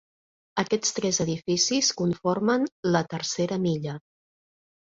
Aquests tres edificis conformen "La tercera milla".